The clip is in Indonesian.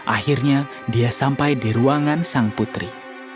akhirnya dia sampai di ruangan sang putri